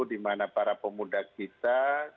di mana para pemuda kita